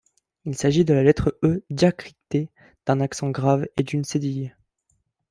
Il s’agit de la lettre E diacritée d’un accent grave et d’une cédille.